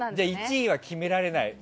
１位は決められない。